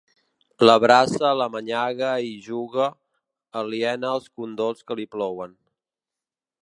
L'abraça l'amanyaga hi juga, aliena als condols que li plouen.